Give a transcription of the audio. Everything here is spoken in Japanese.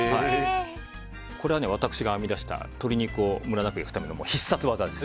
これは私が編み出した鶏肉をムラなく焼くための必殺技です。